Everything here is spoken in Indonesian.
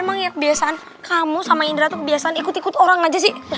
emang ya kebiasaan kamu sama indra tuh kebiasaan ikut ikut orang aja sih